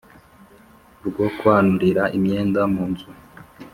Rwo kwanurira imyenda mu nzu